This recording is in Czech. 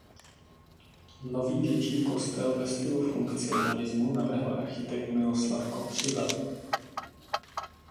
Nový větší kostel ve stylu funkcionalismu navrhl architekt Miloslav Kopřiva.